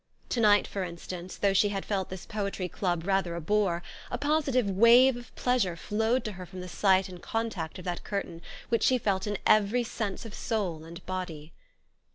To night, for instance, though she had felt this Poetry Club rather a bore, a positive wave of pleasure flowed to her from the sight and contact of that curtain, which she felt in every sense of soul and body.